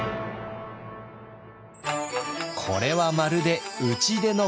これはまるで打ち出の小づち。